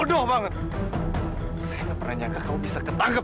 kamu tiara itu bagus banget